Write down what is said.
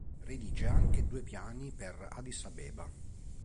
Redige anche due piani per Addis Abeba.